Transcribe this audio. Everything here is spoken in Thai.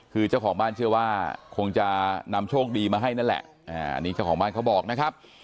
คือเจ้าของบ้านเชื่อว่าคงจะนำโชคดีมาให้นั่นแหละอันนี้เจ้าของบ้านเขาบอกนะครับ